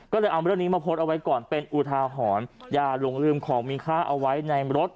ก็เลยเอาเรื่องนี้มาโพสต์เอาไว้ก่อนเป็นอุทาหรณ์อย่าหลงลืมของมีค่าเอาไว้ในรถ